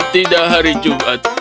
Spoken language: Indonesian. tidak hari jumat